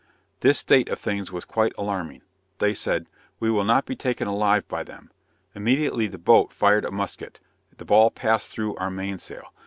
This state of things was quite alarming. They said, "we will not be taken alive by them." Immediately the boat fired a musket; the ball passed through our mainsail.